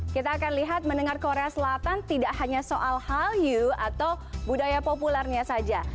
kita akan lihat mendengar korea selatan tidak hanya soal hallyu atau budaya populernya saja